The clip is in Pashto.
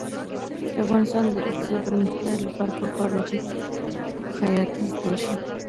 د افغانستان د اقتصادي پرمختګ لپاره پکار ده چې خیاطۍ زده شي.